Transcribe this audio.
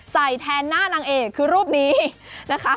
ใส่แทนหน้านางเอกคือรูปนี้นะคะ